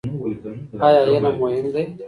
ایا علم مهم دی؟